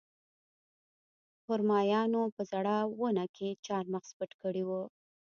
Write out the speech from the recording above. خرمایانو په زړه ونه کې چارمغز پټ کړي وو